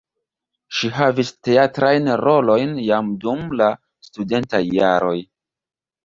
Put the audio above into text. Ŝi havis teatrajn rolojn jam dum la studentaj jaroj.